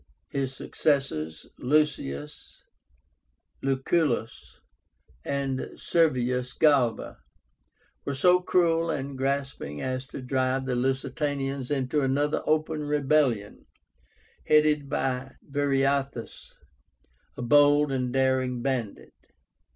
His successors, LUCIUS LUCULLUS and SERVIUS GALBA, were so cruel and grasping as to drive the Lusitanians into another open rebellion, headed by VIRIÁTHUS, a bold and daring bandit.